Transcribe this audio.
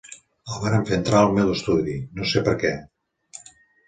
El varen fer entrar al meu estudi, no sé perquè.